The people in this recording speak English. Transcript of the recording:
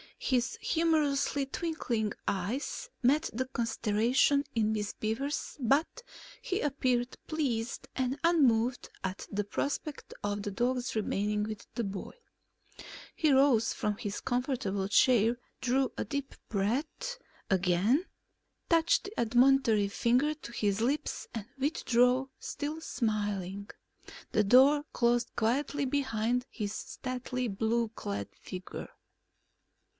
His humorously twinkling eyes met the consternation in Miss Beaver's but he appeared pleased and unmoved at the prospect of the dog's remaining with the boy. He rose from his comfortable chair, drew a deep breath, again touched the admonitory finger to his lips and withdrew, still smiling. The door closed quietly behind his stately blue clad figure.